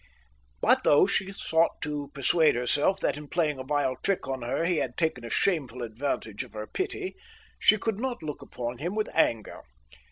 But though she sought to persuade herself that, in playing a vile trick on her, he had taken a shameful advantage of her pity, she could not look upon him with anger.